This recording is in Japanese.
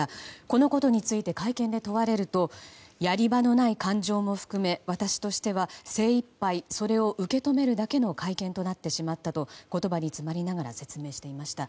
このことについて会見で問われるとやり場のない感情も含め私としては精いっぱいそれを受け止めるだけの会見となってしまったと言葉に詰まりながら説明していました。